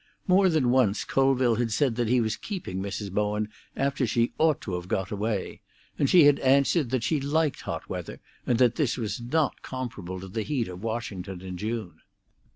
More than once Colville had said that he was keeping Mrs. Bowen after she ought to have got away, and she had answered that she liked hot weather, and that this was not comparable to the heat of Washington in June.